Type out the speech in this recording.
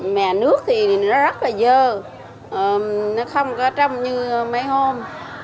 mẹ nước thì nó rất là dơ nó không có trong như mấy hôm